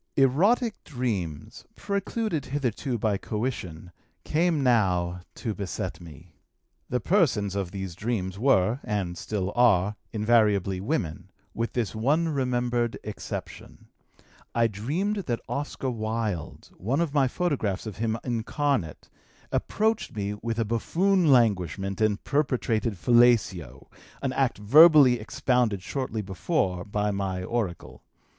"Erotic dreams, precluded hitherto by coition, came now to beset me. The persons of these dreams were (and still are) invariably women, with this one remembered exception: I dreamed that Oscar Wilde, one of my photographs of him incarnate, approached me with a buffoon languishment and perpetrated fellatio, an act verbally expounded shortly before by my oracle.